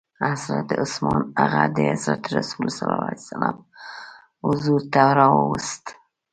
حضرت عثمان هغه د حضرت رسول ص حضور ته راووست.